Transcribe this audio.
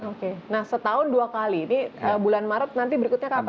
oke nah setahun dua kali ini bulan maret nanti berikutnya ke apa nih pak